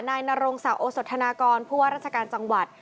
นายนรงศักดิโอสธนากรผู้ว่าราชการจังหวัด